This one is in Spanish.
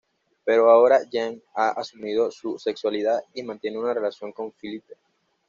Pero ahora Jean ha asumido su sexualidad y mantiene una relación con Philippe.